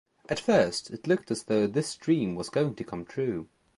At first, it looked as though this dream was going to come true.